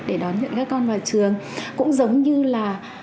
để đón nhận các con vào trường cũng giống như là